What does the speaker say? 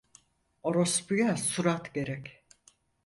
Orospuya surat gerek.